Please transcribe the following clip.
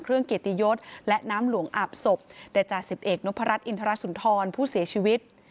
เกียรติยศและน้ำหลวงอาบศพแต่จ่าสิบเอกนพรัชอินทรสุนทรผู้เสียชีวิต